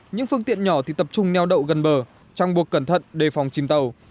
những phương tiện nhỏ thì tập trung neo đậu gần bờ trong buộc cẩn thận đề phòng chìm tàu